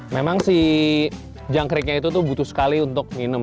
memang si jangkriknya itu tuh butuh sekali untuk minum